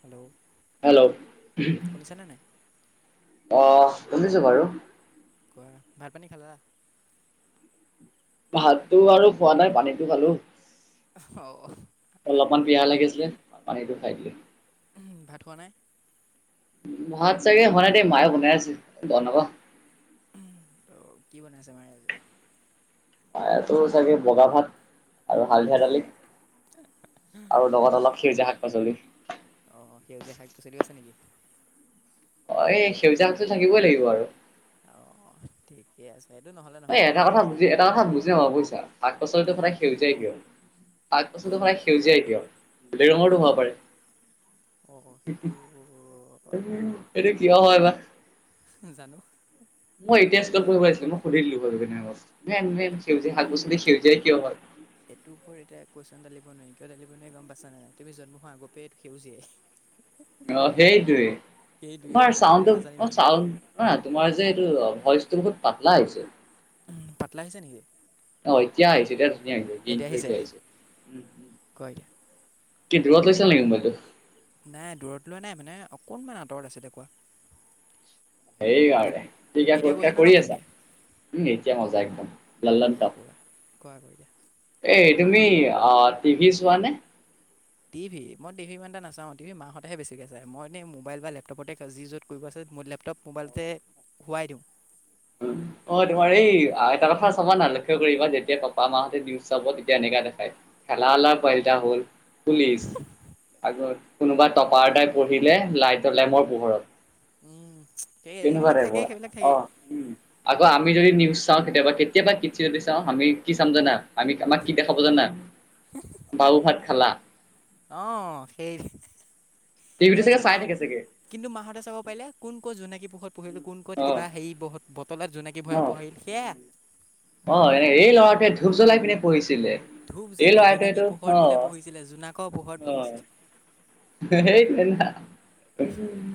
Hello hello উম শুনিছানে নাই অ শুনিছো বাৰু। কোৱা? ভাত, পানী খালা? ভাতটো বাৰু খোৱা নাই পানীতো খালোঁ। অঁ ভাতটো অলপমান কিয় পিয়াহ খোৱা নাই লাগিছিলে পানীটো খাই দিলোঁ। উম, ভাত খোৱা নাই। ভাত চাগে হোৱাই নাই, মায়ে বনাই আছে বনাব। উম, অঁ, কি বনাইছে মায়ে আজি? মাইতো চাগে বগা ভাত আৰু হালধীয়া দালি। আৰু লগত ঠিক অলপ সেউজীয়া শাক -পাচলি। অঁ, অঁ সেউজীয়া শাক-পাচলিও আছে নেকি? অঁ, এই সেউজীয়া শাক-পাচলি থাকিবই লাগিব আৰু। অঁ। ঠিকে আছে। সেইটো নহ'লে- অঁ, নহয় এটা কথা বুজি এটা কথা বুজি নাপাওঁ বুজিছা শাক পাচলিটো কি সদায় সেউজীয়া- সেউজীয়া কিয়? শাক পাচলিটো সাদায় সেউজীয়াই কিয়? বেলেগ ৰঙৰটো সেইটো হ'ব পাৰে। অঁ সেইটো এইটো কিয় হয় বা? নাজানো। মই এতিয়া স্কুলত পঢ়িব লাগিছিল, মই সুধি দিলো হয়, মেম-মেম চিঞৰি চিঞৰি শাক -পাচলি সেউজীয়া কিয় হয়? এইটো ওপৰত এতিয়া কোয়েশ্যন দালিব নোৱাৰি। কিয় দালিব নোৱাৰি গ'ম পাইছানে নাই? তুমি জন্ম হোৱা আগতেই সেউজীয়াই। অঁ, সেইটোৱে। সেইটোৱে তোমাৰ আমিতো চাউন্টো, নাজানিম ন চাউন্ট- শুনা তোমাৰ যে এইটো অঁ ভইচটো বহুত পাতলা আহিছে। উম, পাতলা আহিছে নেকি? অঁ, এতিয়া আহিছ, এতিয়া ধুনীয়াকে হৈছে, গ্ৰীনটো এতিয়া আহিছে উম। কোৱা এতিয়া কি দূৰত লৈছিলা নেকি মোবাইলটো? নাই দূৰত লোৱা নাই মানে অকণমান আঁতৰত আছিলে। কোৱা? সেই কাৰণে তুমি এতিয়া পৰীক্ষা কৈছা নে ন কৰি আছা? ভালকে উম, এতিয়া মজা একদম দিয়া ললনটাপ। কোৱা কোৱা আকৌ এতিয়া এ তুমি আ টিভি চোৱানে। টিভি! মই টিভি ইমান টা নাচাওঁ, টিভি মাহঁতে বেছিকৈ চায়। মই এতিয়া মোবাইল বা লেপটপতে যি য'ত কৰিব আছে মোৰ লেপটপ- মোবাইলতে হোৱাই দিওঁ। উম। অঁ, তোমাৰ এই এটা কথা চাবা না লক্ষ্য কৰিবা যেতিয়া পাপা -মাহঁতে টিভি চাব তেতিয়া এনেকা দেখায়- কালা লা পেদা হ'ল। পুলিছ আকৌ কোনোবা টপাৰ এটাই পঢ়িলে লাইটৰ লেমৰ পোহৰত। উম, এই তেনেকুৱা সেইবিলাক টাইপৰ থাকেই, সেইবিলাক অ থাকেই। উম, আকৌ আমি যদি নিউজ চাওঁ, কেতিয়াবা কেতিয়াবা কি যদি চাওঁ, আমি কি চাম জানা? আমি আমাক কি দেখাব জানা বাবু ভাত খালা। আহ সেই, টিভিটো এনে চাগে কিন্তু চাই মাঁ- থাকে চাগে কিন্তু মাহঁতে চাব পাৰিলে কোন ক'ত জোনাকী পোহত পঢ়িলে, কোন ক'ত অ কিবা হৰি বটলত জোনাকী- ৰাতি ভৰাই পঢ়িল সেয়া। অঁ, এই ল'ৰাটোৱে ধূপ জ্বলাই পিনে পঢ়িছিলে। ধূপ এই জ্বলাই, ল'ৰাটোৱেতো জোনাকীৰ অ পোহৰত বোলে পঢ়িছিলে, জোনাকৰ অ পোহৰত পঢ়িছিলে। [unintelligible]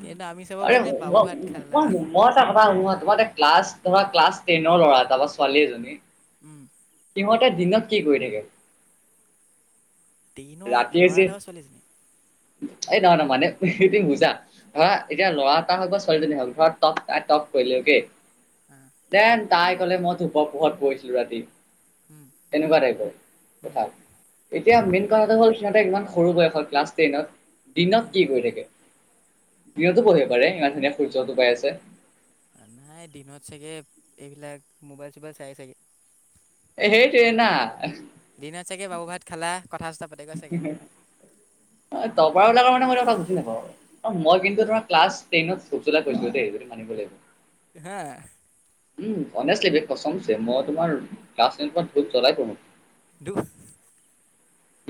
কিন্তু আমি চাব আৰে পাৰিলে ম, বাবু ভাত খালা মই এটা কথা সুধোঁ বা! তোমাৰ দে- ক্লাছ ধৰা, ক্লাছ টেনৰ ল'ৰা তাৰৰা ছোৱালী এজনী- উম। সিহঁতে দিনত কি কৰি থাকে? ট্ৰেইনৰ ৰাতিয়ে ল'ৰা যি এটা বা ছোৱালীজনী এই নহয়, ন মানে [unintelligible] বুজা। ধৰা এতিয়া ল'ৰা এটা হওক বা ছোৱালীজনী হওক ধৰা টপ আ টপ কৰিলোকে। অ'। দেন তাই ক'লে মই ধোপৰ পোহৰত পঢ়িছিলো ৰাতি। উম তেনেকুৱা টাইপৰ উম কথা। এতিয়া মেইন কথাটো হ'ল সিহঁতে ইমান সৰু বয়সত ক্লাছ টেনত, দিনত উম কি কৰি থাকে? দিনটো পঢ়িব পাৰে ইমান ধুনীয়া সূৰ্যটো পাই আছে। নাই দিনত চাগে এইবিলাক মোবাইল - চোবাইল চাই চাগে। এ সেইটোৱে না এহ। দিনত চাগে বাবু ভাত খালা, কথা - চথা পাতিবৈ চাগে। অ দবৰাবিলাকৰ মানে মই এটা কথা বুজি নাপাওঁ আৰু। অ মই কিন্তু ধৰা ক্লাছ টেনত ধুপ জ্বলাই পঢ়িছিলো দেই এইটো মানিব লাগিব। ও হা। উম অণেষ্টলি বে কছম চে মই তোমাৰ ক্লাছ টেনত ধূপ জ্বলাই পঢ়ো। দু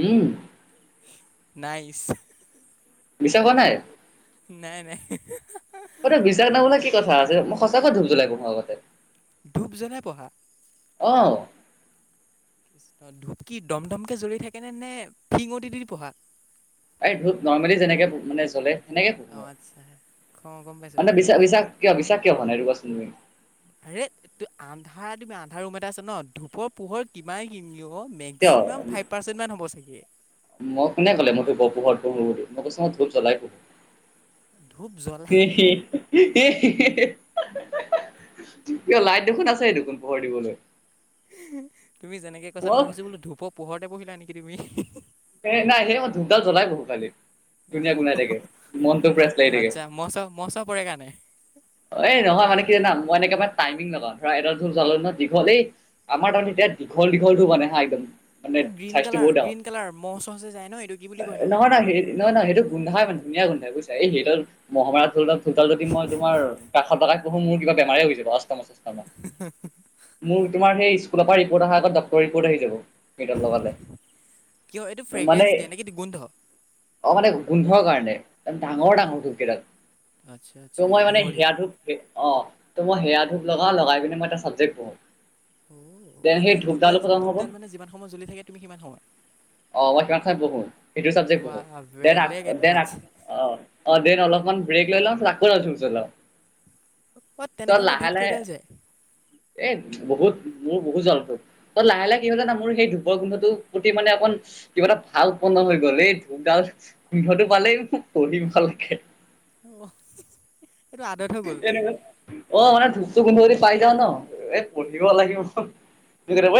উম। নাইচ। বিশ্বাস হোৱা নাই? নাই, নাই। বিশ্বাস নহবলে কি কথা আছে। মই সঁচাকৈ ধূব জ্বলাই পঢ়োঁ আগতে। ধূপ জ্বলাই পঢ়া? অ'। অ ধূপ কি দম দমকে জ্বলি থাকে নে নে ফিঙ দি দি পঢ়া? আৰে ধুপ নৰ্মেলি যেনেকে মানে জ্বলে। সেনেকে পোহো অ আচ্ছা, খ গম পাইছো। তা বিশ্বাস কিয় বিশ্বাস কিয় হোৱা নাই সেইটো কোৱাছোন তুমি? আৰে ত, আন্ধাৰ তুমি আন্ধাৰ ৰুম এটা আছা ন ধূপৰ পোহৰ কিমান কিন [unintelligible] মে কিয় মেক্সিমাম ফাইভ পাৰ্চেণ্টমান হ'ব চাগে। মই কোনে ক'লে মই ধোপৰ পোহৰত বুলি, মই কৈছো মই ধুপ জ্বলাই পঢ়ো। ধূপ [unintelligible] জ্বলাই কিয় লাইট দেখোন আছে দেখোন পোহৰ দিবলৈ। তুমি যেনেকে কৈছা মই ভাবিছো বোলো ধূপৰ পোহৰতে পঢ়িলা নেকি তুমি? এ নাই সেই মই ধূপডাল জ্বলাই পঢ়ো খালি। ধুনীয়া গোন্ধাই থাকে মনটো ফ্ৰেছ লাগি অ, থাকে আচ্ছা মচ, মচ পৰে কাৰণে। এই নহয় মানে কি জানা মই এনেকে বা টাইমিং লগাও ধৰা এডাল ধুপ জ্বলালো ন দীঘলেই আমাৰ তাৰমানে এতিয়া দীঘল, দীঘলটো মানে হা একদম। মানে অ, গ্ৰীণ চাইজটো কালাৰ, গ্ৰীণ কালাৰ মহ - চহ যে যায় ন এইটো কি বুলি কয় ন এ নহয় নহয়, সেই নহয় নহয়, সেইটো গোন্ধাই মানে ধুনীয়া গোন্ধাই বুজিছা এই সেইডাল মহ মাৰাত ধৰি লোৱা চোতাল যদি মই তোমাৰ কাষত লগাই পঢ়ো মোৰ কিবা বেমাৰে হৈ যাব অষ্ট মষ্টম। মোৰ তোমাৰ সেই স্কুলৰ পৰা ৰিপৰ্ট আহা আগত ডক্টৰৰ ৰিপৰ্ট আহি যাব সেইডাল লগালে। কিয় এইটো মানে ফ্ৰেগ্ৰেঞ্চ দিয়ে নে কি গোন্ধ? অ মানে গোন্ধৰ কাৰণে ডাঙৰ - ডাঙৰ ধূপকেইটা, আ- আচ্ছা ত' আচ্ছা মই মানে দীঘলীয়া সেয়া ধূপ সে, অ, ত মই সেয়া ধূপ লগাও, লগাই পিনে মই এটা চাবজেক্ট পঢ়ো। অ দেন মানে সেই ধূপডাল ধূপডালো খতম হ'ব ধূপডাল মানে যিমান সময় জ্বলি থাকে তুমি সিমান সময় অঁ মই সিমান চাই পঢ়ো সিটো চাবজেক্ট পঢ়ো ৱাহ দেন আ বেলেগ দেন অ এডভান্স অ দেন অলপমান ব্ৰেক লৈ লও তাৰপিছত আকৌ এডাল ধূপ জ্বলাও। অ তেনেকে হলে ধূপ লাহে কেইডাল যায়? এ বহুত মোৰ বহুত জ্বলেটো অ লাহে লাহে কি হয় জানা মোৰ সেই ধূপৰ গোন্ধটো প্ৰতি মানে অকন কিবা এটা ভাল পূণ হৈ গ'ল এই ধূপ ডাল গোন্ধটো পালেই পঢ়ি ভাল লাগে। অহ এনেকে অ মানে ধূপটো গোন্ধ যদি পাই যাও ন এ পঢ়িব লাগিব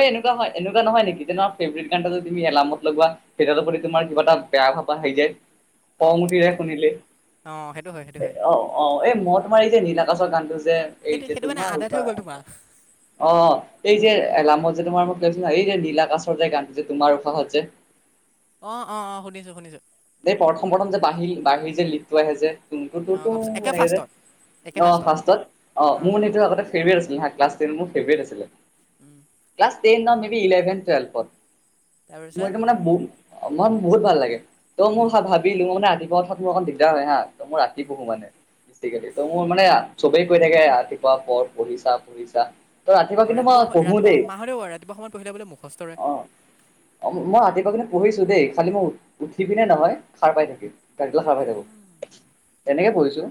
এনেকুৱা হয় এনেকুৱা নহয় নেকি ফেভৰেট গানটো যে তুমি এলাৰ্মত লগোৱা সেইটোৰ প্ৰতি তোমাৰ কিবা এটা বেয়া ভাব আহি যায় অ খং উঠি যায় শুনিলে অ সেইটো হয় সেইটো হয় অ অ এই তোমাৰ এই যে নীলআকাশৰ গানটো যে এই সেইটো যে সেইটো মানে তোমাৰ আদাত হৈ উশাহ গ'ল তোমাৰ অ এই যে এলামত যে তোমাৰ মোক কৈছো এই যে নীলআকাছৰ যে গানটো যে তোমাৰ উশাহত যে অ অ অ শুনিছো শুনিছো। অ এই প্ৰথম প্ৰথম যে বাঁহি বাঁহিৰ যে লিটটো আহে যে অ তু তো গম পাইছো একে এনেকে যে ফাৰ্ষ্টত অ ফাৰ্ষ্টত অ মোৰ গম মানে পাইছো এইটো আগতে ফেভৰেত আছিল ক্লাছ টেন মোৰ ফেভৰেত আছিলে উম ক্লাচ ট্ৰেইন ন মে বি ইলেভেন টুৱেলভত তাৰপিছত মইটো মানে অ মোৰ বহুত ভাল লাগে ত' উম মই ভাবিলো মানে ৰাতিপুৱা উথাত মোৰ অকণ দিগদাৰ হয় হা ত মই ৰাতি উম পঢ়ো মানে। ত মোৰ মানে চবেই কৈ থাকে ৰাতিপুৱা পঢ় পঢ়িছা পঢ়িছা ত' অ কিন্তু মই ৰাতিপুৱা সময় পঢ়ো ৰাতিপুৱা দেই সময় ৰাতিপুৱা সময়ত পঢ়িলে বুলে মুখস্থ অ মই ৰাতিপুৱা কিন্ত পঢ়িছো দেই খালী মোৰ উঠি পিনে নহয় সাৰ পাই থাকিম ৰাতিলে সাৰ পাই উম থাকো তেনেকৈ পঢ়িছো।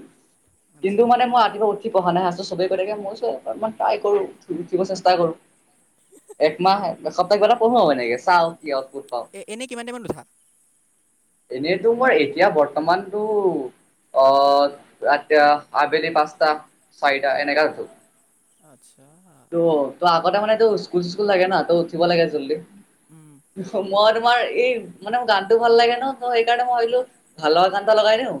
কিন্তু আচ্ছা মানে মই ৰাতিপুৱা উঠি উঠি পঢ়া নাই চবে কৈ থাকে মই চ' অকমান ট্ৰাই কৰো উঠিব চেষ্টা কৰো একমাহ এসপ্তাহ কিবাহত পঢ়ো মানে এনেকে চাও কি আট পাও এনে কিমান টাইমত উঠা? এনেইতো মই এতিয়া বৰ্তমানটো অ ৰাতি আবেলি পাঁচটা চাৰিটা এনেকাত উঠো। আচ্ছা আ। ত' ত আগতে মানে তো স্কুল স্কুল থাকে ন ত উঠিব লাগে জল্দি উম মই তোমাৰ এই মানে মোৰ গানতো ভাল লাগে ন সেইকাৰণে মই ভাবিলো ভাল লগা গান এটা লগাই দিও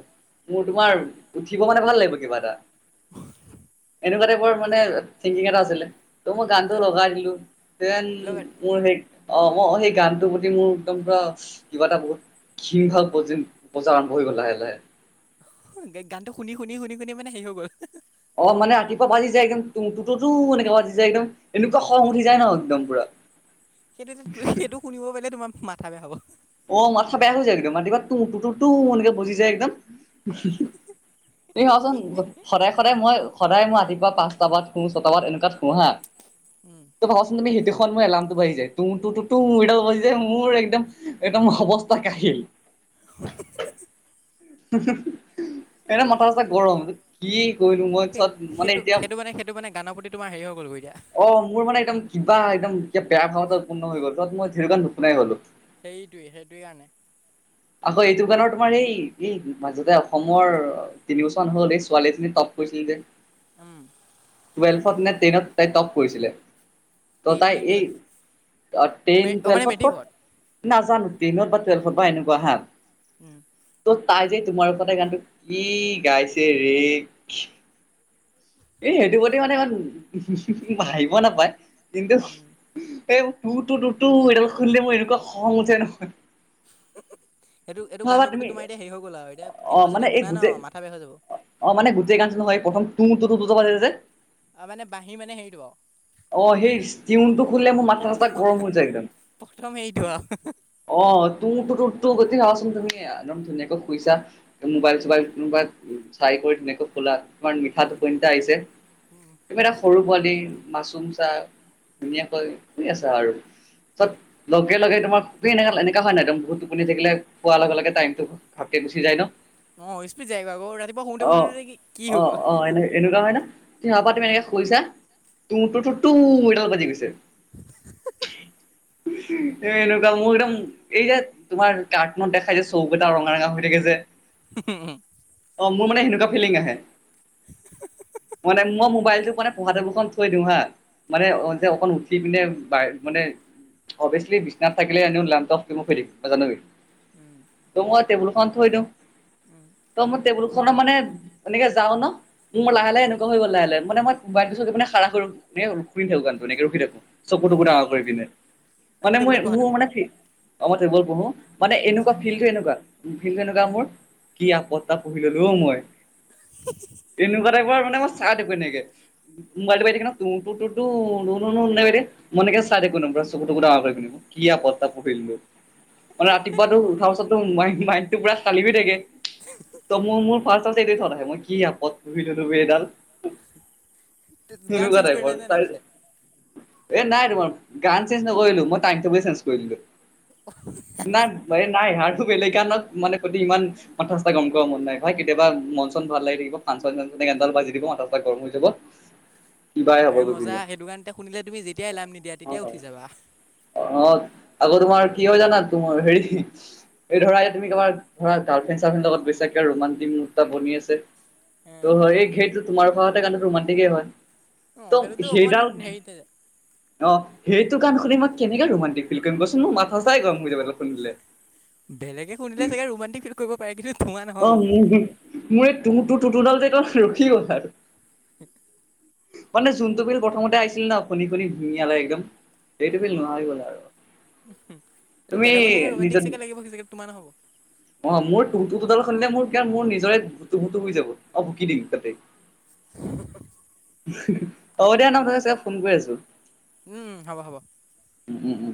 মোৰ উম তোমাৰ উঠিব মানে ভাল লাগিব কিবা এটা তেনেকুৱা টাইপৰ মানে থিংকিং এটা আছিলে ত মই গানটো তাত লগাই দিলো দেন লগা মোৰ সেই অ মোৰ সেই গানটোৰ প্ৰতি মোৰ একদম পুৰা কিবা এটা বহুত কী ভাৱ উপজাৰ আৰম্ভ হৈ গ'ল লাহে লাহে গানটো শুনি শুনি শুনি শুনি মানে হেৰি হৈ গ'ল। অ মানে ৰাতিপুৱা বাজি যাই একদম তু তু তু তু এনেকে বাজি যাই একদম এনেকুৱা খং উঠি যায় ন একদম পুৰা সেইটো সেইটো শুনিব পালে তোমাৰ মাথা বেয়া হ'ব। অ মাথা বেয়া হৈ যায় একদম ৰাতিপুৱা তুু তু টু এনেকে বজি যায় একদম। এই ৰ চোন সদায় সদায় মই- সদায় ময় ৰাতিপুৱা পাছতা বজাত শুঁ ছটা বজাত এনেকুৱাত শোঁ হাঁ। উম' ত' ভাবাচোন তুমি সেইটো সময়ত মোৰ এলামটো বা়জি যায় তুঁ তুঁ তুঁ এইডাল বাজি যায় মোৰ একদম- একদম মোৰ অৱস্থা কাহিল। হুম হু হুম। এনে মাথা চাথাগৰম, কি কৰিলো মই সেই চত মানে সেইটো এতিয়া- সেইটো মানে সেইটো মানে গানৰ প্ৰতি তোমাৰ হেৰি হৈ গলো এতিয়া। অ মোৰ মানে একদম কিবা একদম এতিয়া বেয়া ভাৱ এটা উৎপন্ন হৈ গ'ল, যত মই সেইটো গান নুশুনাই হলো। সেইটোৱেই, সেইটোৱেই কাৰণে। আকৌ এইটো গানৰ তোমাৰ এই এই মাজতে অসমৰ তিনিবছৰমান হল এই ছোৱালী এজনী টপ কৰিছিল যে। [unintelligible] উম' টুৱেল্ভত নে টেনত তাই টপ কৰিছিলে। ত' টেন তাই নে এই টুৱেল্ভ টেন মে অ মানে টুৱেলভত ক'ত- মেট্ৰিকত নাজানো টেইনত বা টুৱেল্ভত বা এনেকুৱা হাত- উম' ত' তাই যে তোমাৰ ওপতে গানটো কি গাইছে ৰে। এই সেইটো প্ৰতি মানে ইমান হাংহিব নাপায়, কিন্তু- উম এ তু টু টো এইডাল খুনিলে মই এনেকুৱা খং উঠে নহয়। সেইটো এইটো ভাবা গানৰ প্ৰতি তুমি তোমাৰ এতিয়া হেৰি হৈ গ'ল আও এতিয়া কেতিয়াবা যদি শুনা ন মাথা বেয়া হৈ যাব। অঁ মানে গোটেই গানটো নহয় প্ৰথম তো তো তো দখ যে- অঁ মানে বাঁহী মানে হেৰিটো আও। অঁ, সেই ষ্টিউনটো সুনিলে মোৰ মাথা প্ৰথম চাথা গৰম হৈ যায় একদম। প্ৰথম হেৰিটো আৰু অঁ তু তু তোৰ গোটেই চাচোন ধুনীয়া, একদম ধুনীয়াকৈ শুইছা। মোবাইল চোবাইল মোবাইল চাই কৰি ধুনীয়াকৈ খোলা তোমাৰ নি- ঠা উম টোপনী এটা আহিছে। উম কিবা এটা- সৰু পোৱালী মাচুম চাহ ধুনীয়াকৈ শুঁই আছা আৰু। তত লগে লগে তোমাৰ খুবেই এনে এনেকা হয় নাই এদম বহুত টোপনি থাকিলে পোৱাৰ লগে লগে টাইমটো- ভাপকে গুচি যায় ন? অঁ স্পিত যায়গা আকৌ ৰাতিপুৱা শোওঁতে শুতে কি হৈ গ'ল? অঁ এনেকে এনেকুৱা হয় না? তো হেয়া পৰা তুমি এনেকে কৈছা তোঁ তোঁ মোৰ তালত বাজি গৈছে। এনেকা মোৰ একদম এই যে- তোমাৰ কাৰটোনত দেখাই যে চকোগেটা ৰঙা ৰঙা হৈ থাকে যে। হুমহু। অঁ মোৰ মানে সেনেকুৱা ফিলিং আহে। এহি হি হি হি। মানে মই মোবাইলটোক মানে পঢ়া তেবোল খন থৈ দিওঁ হাঁ মানে উম, যে অকন উঠ- ঠি পিনে মানে অভিয়াচলি বিচনাত থাকিলে এনেও লেমতক ৰিমোভ হৈ থাকিব তয় জানিবি। উম' ত ময় টেবুলখন থৈ দিওঁ। উম' ত মই টেবুল খনৰ মানে এনেকে যাওঁ ন মোৰ লাহে লাহে এনেকুৱা হৈ গ'ল লাহে লাহে মানে মই- বাৰ পিছত এপিনে খাৰা কৰো, মানে শুনি থাকো গানটো আৰু এনেকে ৰখি থাকো। চকু-তকু ডাঙৰ কৰি পিনে, এই মানে মই টেবুলত পঢ়া মোৰ তুমি? মানে মই কলো- মানে আচ্ছা, এনেকুৱা ফিল্ডটো এনেকুৱা, ফিল্ডটো এনেকুৱা মোৰ কি আপত্ত পুহি ল'লো মই। [unintelligible] এনেকুৱা টাইপৰ মানেই চাই থাকো এনেকে। [unintelligible] তু-তু, নু-নু এনেকে কৈ দে। মই এনেকে চাই থাকো ন' চকু-তকু ডাঙৰ কৰি পিনে। কি আপত্ত এটা পুহিলো, মানে ৰাতিপুৱা উঠাৰ পাছত টো মাইণ্ডটো পুৰা খালি হৈ থাকে। ত' মোৰ-মোৰ ফাৰ্ষ্ট এই চত আহে মই কি আনো। বিটোবি এডাল, গান তেনেকুৱা চেঞ্জ কৰিলা টাইপৰ নে নাই তাই। পিছে? এ' নাই মই গান চেঞ্জ নকৰিলোঁ মই টাইমটোকে চেঞ্জ কৰিলো। [unintelligible] নাই-নাই, ইয়াৰতো বেলেগ ন'ত প্ৰতি ইমান- কথা-চথা কব কৰা মন নাই, ভাই কেতিয়াবা মন-চন ভাল লাগি থাকিব। [unintelligible] বাজি দিব মাই, চা গৰম হৈ যাব। কিবাই হ'ব আৰু গৈ মজা, পিনে সেইটো কাৰণতে শুনিলে তুমি যেতিয়াই ইলাম নিদিয়া তেতিয়াই উঠি যাবা। অ', -অ', আকৌ তোমাৰ কি হয় জানা তোমাৰ হেৰি- এই ধৰা এ' তুমি তোমাৰ ধৰা গাৰ্লফ্ৰেণ্ড-চাৰ্লফ্ৰেণ্ডৰ লগত গৈছা কিয় ৰোমানটিক মুভ এটা বনি আছে। এ, ত' এই খেতটো তোমাৰ খেত কাৰণে ৰোমানটিকেই হয়। অ', সেইটোতো ত' অকমান সেইডাল- হেৰিতে অ', সেইটো গান শুনি মই কেনেকে ৰোমমানণ্টিক ফিল্ট কৰিম কৰিম কচোন, মাথা-চাথাই গৰম কৰি দিয়ে মানে। বেলেগে শুনিলে চাগে ৰোমাণ্টিক ফিল্টা কৰিব পাৰে কিন্তু তোমাৰ নহ'ব। অ' মোৰ মোৰ এই তু-তু- তু ডাল যে তা'ত ৰখি গ'ল আৰু। [unintelligible] মানে জোনটো ফিল্ট প্ৰথমতে আহিছিল ন' শুনি-শুনি ভুঙিয়া লাগি গ'ল একদম। সেইটো উম, ফিল্ট নহা হৈ গ'ল আৰু। এইটো তুমি বেলেগৰ চাগে ৰোমাণ্টিক নিজৰ- চাগে লাগিব চাগে তোমাৰ নহ'ব, অ', মোৰ দুডাল শুনিলে মোৰ-মোৰ নিজৰে ভুু-ভুতু হৈ যাব অ' ভুকি দিম তা'তে মানে। [unintelligible] হ'ব দিয়া ন' চাগে ফোন কৰি আছো, উম, হ'ব হ'ব। উম-উম।